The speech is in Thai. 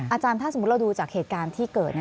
อาจารย์ถ้าสมมุติเราดูจากเหตุการณ์ที่เกิด